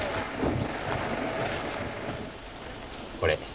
これ。